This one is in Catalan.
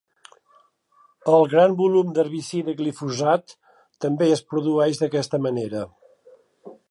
El gran volum d'herbicida glifosat també es produeix d'aquesta manera.